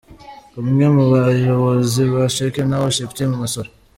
Umwe mu bayobozi ba Shekinah worship team Masoro.